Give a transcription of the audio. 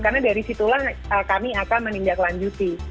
karena dari situlah kami akan menindaklanjuti